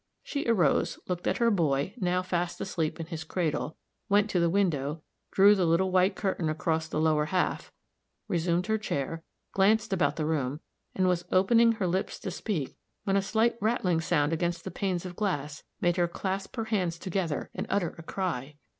She arose, looked at her boy, now fast asleep in his cradle, went to the window, drew the little white curtain across the lower half, resumed her chair, glanced about the room, and was opening her lips to speak, when a slight rattling sound against the panes of glass, made her clasp her hands together and utter a cry.